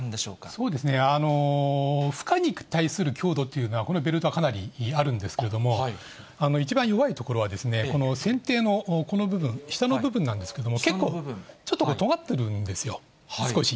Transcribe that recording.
そうですね、負荷に対する強度というのは、このベルトは、かなりあるんですけれども、一番弱い所は船底のこの部分、下の部分なんですけども、結構、ちょっととがってるんですよ、少し。